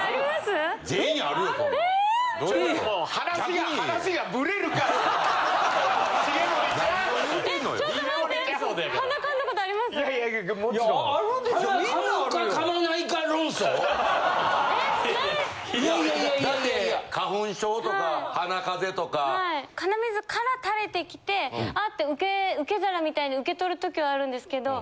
鼻水から垂れてきてあっ！って受け皿みたいに受けとる時はあるんですけど。